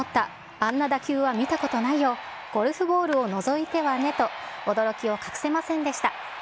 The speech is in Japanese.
あんな打球は見たことないよ、ゴルフボールを除いてはねと、驚きを隠せませんでした。